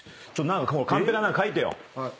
カンペか何か書いてよ。